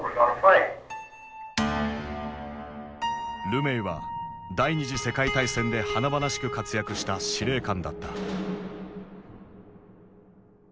ルメイは第二次世界大戦で華々しく活躍した司令官だった。